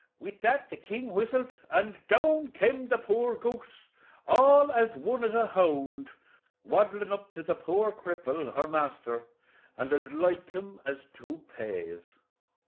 With that the king whistled, and down kem the poor goose, all as one as a hound, waddlin' up to the poor cripple, her masther, and as like him as two pays.